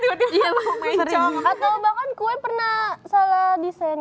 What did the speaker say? atau bahkan kue pernah salah desain